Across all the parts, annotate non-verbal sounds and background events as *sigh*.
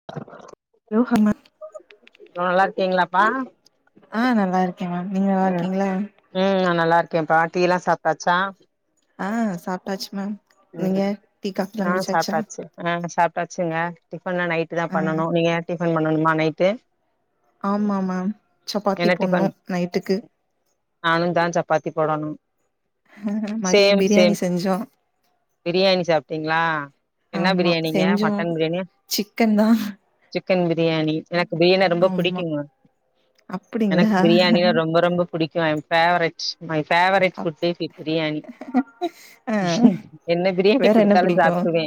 *unintelligible* Hello *unintelligible* நல்லா இருக்கீங்ளாப்பா அ நல்லா இருக்கே மேம் நீங்க நல்லா ம் இருக்கீங்ளா ம் நா நல்லா இருக்கேப்பா டீ எல்லா சாப்ட்டாச்சா அ சாப்ட்டாச்சு மேம் நீங்க டீ காபி எல்லா குடிச்சாச்சா அ சாப்ட்டாச்சுங்க டிஃபன்லா நைட்டு தா ஆ பண்ணனு நீங்க டிஃபன் பண்ணணுமா நைட்டு ஆமா மேம் சப்பாத்தி என்ன போட்ணு டிஃபன் நைட்டுக்கு நானு தா சப்பாத்தி போடணு மதியோ சேம் சேம் பிரியாணி செஞ்சோ பிரியாணி சாப்ட்டீங்ளா என்ன ஆமா பிரியாணிங்க செஞ்சோ மட்டன் பிரியாணி சிக்கன் தா சிக்கன் பிரியாணி எனக்கு பிரியாணிதா ரொம்ப ஆமா புடிக்கு அப்டிங்களா எனக்கு பிரியாணிதா ரொம்ப ரொம்ப புடிக்கு I am favourite my favourite of ஃபுட்டே பிரியாணி ஆ என்ன பிரியாணி வேற என்ன குடுத்தாலு பிடிக்கு சாப்டுருவே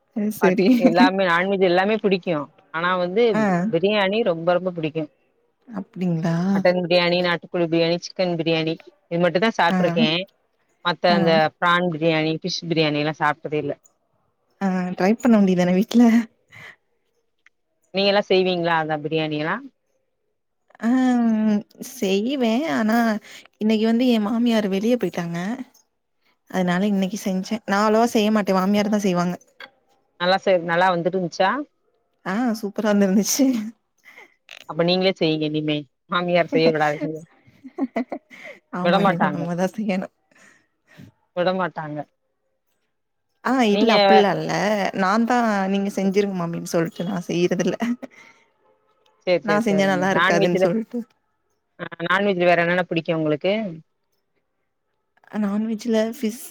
அது பட் சரி எல்லாமே நான்வெஜ் எல்லாமே புடிக்கு ஆனா வந்து ஆ பிரியாணி ரொம்ப ரொம்ப புடிக்கு அப்டிங்ளா பிரியாணி நாட்டுகோழி பிரியாணி சிக்கன் பிரியாணி இது மட்டுதா ஆ சாப்டிருக்கே மத்த ஆ அந்த பிரான் பிரியாணி ஃபிஷ் பிரியாணில்லா சாப்டதே இல்ல அ ட்ரை பண்ண வேண்டியதான வீட்ல நீங்கல்லா செய்வீங்ளா அந்த பிரியாணி எல்லா செய்யுவே ஆனா இன்னிக்கு வந்து ஏ மாமியாரு வெளிய போயிட்டாங்க அதனால இன்னிக்கு செஞ்சே நா அவ்ளோவா செய்ய மாட்டே மாமியார் தா செய்வாங்க நல்லா செய் நல்லா வந்துருந்துச்சா அ சூப்பரா வந்து இருந்துச்சு அப்ப நீங்களே செய்யீங்க இனிமே மாமியார் செய்ய விடாதீங்க. ஆமா இனிமே விடமாட்டாங்க நம்மதா செய்யனு விட மாட்டாங்க அ இல்ல அப்டில்லா இல்ல நா தா நீங்க செஞ்சிருங்க மாமி சொல்ட்டு நா செய்யிறது இல்ல சேரி நா சேரி செஞ்சா நல்லா இருக்காதுன்னு சொல்ட்டு அ நான்வெஜ்ல வேற என்னென்னா புடிக்கு உங்ளுக்கு நான்வெஜ்ஜில ஃபிஷ்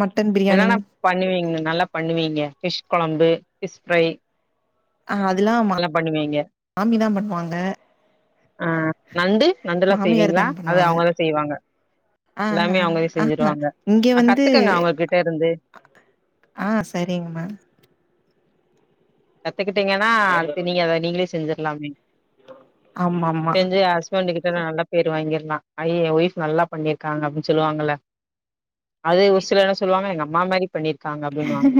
மட்டன் பிரியாணி என்னென்னா பண்ணுவீங்க நல்லா பண்ணுவீங்க ஃபிஷ் கொழம்பு ஃபிஷ் ஃப்ரை அ அதெல்லா மா நல்லா பண்ணுவீங்க. மாமிதா பண்ணுவாங்க அ நண்டு நண்டுல்லா மாமியார் செய்வீங்ளா தான் அது பண்ணுவாங்க அவங்கதா செய்வாங்க ஆ எல்லாமே அவங்களே ஆ செஞ்சிருவாங்க கத்துக்கங்க அவங்ககிட்ட இருந்து அ செரிங்க மேம் கத்துக்கிட்டீங்கன்னா அடுத்து நீங்க அத நீங்களே செஞ்சிறலாமே ஆமா ஆமா செஞ்சு ஹஸ் ஹஸ்பான்ட் கிட்ட நல்லா பேர் வாங்கிறலா ஐ ஏ ஒய்ப் நல்லா பண்ணிருக்காங்க அப்டின்னு சொல்லுவாங்கல்ல அது ஒரு சிலர் என்ன சொல்லுவாங்க எங்க அம்மா மாரி பண்ணியிருக்காங்க அப்டின்வாங்க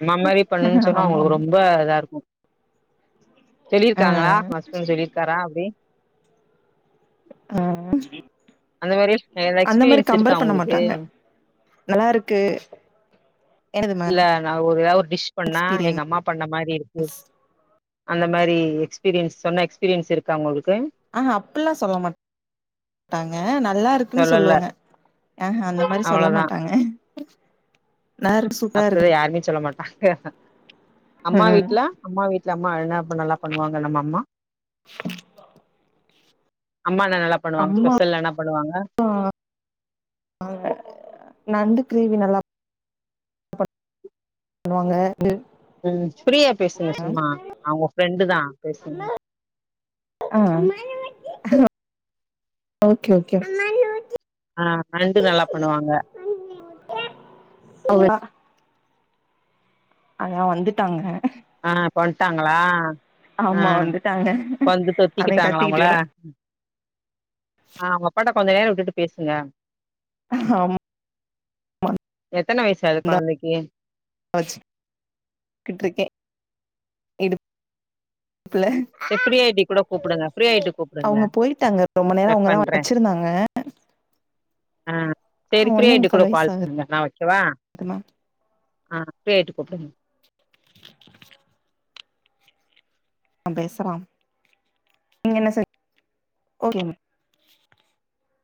அம்மா மாரி சொன்னா ஆமா அவங்களுக்கு ஆமா ரொம்ப இதா இருக்கு சொல்லி ஆ இருக்காங்ளா ஒ ஹஸ்பண்ட் சொல்லியிருக்காரா அப்டி அந்த மாரி எதா அந்த மாரி எக்ஸ்பீரியன்ஸ் இருக்கா கம்பேர் பண்ண உங்களுக்கு? மாட்டாங்க நல்லா இருக்கு என்னது மேம் இல்ல நா ஒரு எதாவது ஒரு டிஷ் பண்ணா எக்ஸ்பீரியன் எங்க அம்மா பண்ண மாரி இருக்கு அந்த மாரி எக்ஸ்பீரியன்ஸ் சொன்ன எக்ஸ்பீரியன்ஸ் இருக்கா உங்களுக்கு ஆஹா அப்டில்லா சொல்ல மாட் சொல்ல மாட்டாங்க நல்லா இருக்குன்னு சொல்லல சொல்லுவாங்க ஆஹ அந்த மாரி சொல்ல அவ்ளோதா மாட்டாங்க நருக்ஸ் அப்டி யாருமே சொல்ல மாட்டாங்க அம்மா ம் வீட்ல அம்மா வீட்ல அம்மா அழுனா அப்ப நல்லா பண்ணுவாங்க நம்ம அம்மா அம்மா நா நல்லா பண்ணுவாங்க அம்மா ஸ்பெஷல் என்ன பண்ணுவாங்க ஆ ஆ நண்டு கிரேவி நல்லா பண்ணுவாங்க ம் ஃப்ரீயா பேசுங்க சும்மா நா உங்க ஃப்ரெண்டு தா பேசுங்க ஆ ஆ ஓகே ஓகே ஆ நண்டு நல்லா பண்ணுவாங்க *inaudible* ஆஹா வந்துட்டாங்க ஆ இப்ப வந்ட்டாங்களா ஆ ஆமா வந்துட்டாங்க வந்து அவ தொத்திக்கிட்டாங்களா கத்திக்கிட்டு உங்கள கட ஆ அவுங்க அப்பாட்ட கொஞ்ச நேர விட்டுட்டு பேசுங்க ஆம் எத்தன வயசு ஆகுது கொழந்தைக்கு வச்சு கிட்ருக்கே இடுப்புல செரி ஃப்ரீயாயிட்டி கூட கூப்புடுங்க ஃப்ரீயாயிட்டு கூப்புடுங்க அவங்க போயிட்டாங்க ரொம்ப நேரோ கட் அவங்கதா பண்ற வச்சிருந்தாங்க ஆ சேரி ஒன்னே ஃப்ரீயாயிட்டு முக்கால் கூட வயசு கால் ஆகுது பண்ணுங்க நா வக்கவா மேம் ஆ ஃப்ரியாயிட்டு கூப்புடுங்க ஆ பேசலாம் நீங்க என்ன சொ ஓகே